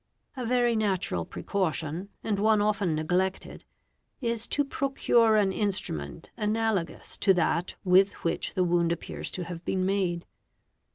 A very natural precaution, ; 5 i | Et :' Z and one often neglected, is to procure an instrument analogous to that with which the wound appears to have been made.